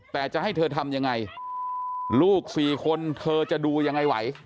แต่จะให้เธอทำยังไงลูกสี่คนเธอจะดูยังไงไหว